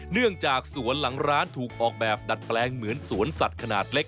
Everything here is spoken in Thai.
เนื่องจากสวนหลังร้านถูกออกแบบดัดแปลงเหมือนสวนสัตว์ขนาดเล็ก